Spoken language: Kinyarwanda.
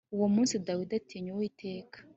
Uwo munsi Dawidi atinya Uwiteka.